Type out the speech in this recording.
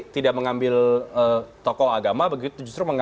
tidak mengambil tokoh agama begitu justru mengambil sosok sandiaga